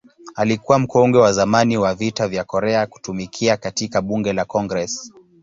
Alikuwa mkongwe wa zamani wa Vita vya Korea kutumikia katika Bunge la Congress.